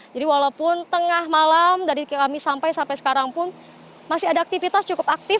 jadi walaupun tengah malam dari kami sampai sampai sekarang pun masih ada aktivitas cukup aktif